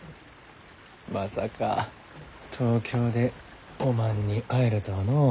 まさか東京でおまんに会えるとはのう。